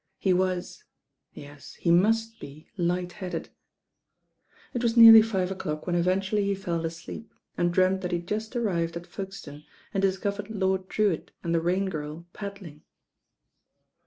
He was — yes, he must be light4ieaded. It was nearly five o*clock when eventually he fell asleep and dreamed that he had just arrived at Folkestone and discovered Lord Drewitt and the Rain Girl paddling.